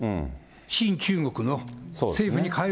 親中国の政府にかえる。